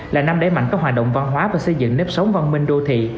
là năm đẩy mạnh các hoạt động văn hóa và xây dựng nếp sống văn minh đô thị